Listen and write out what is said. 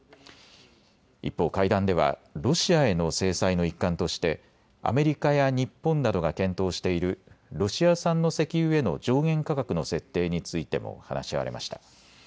一方、会談ではロシアへの制裁の一環としてアメリカや日本などが検討しているロシア産の石油への上限価格の設定についても話し合われました。